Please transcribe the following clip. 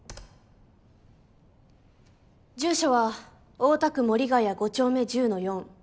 住所は大田区森ヶ谷５丁目１０の４。